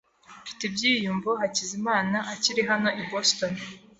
Mfite ibyiyumvo Hakizimana akiri hano i Boston.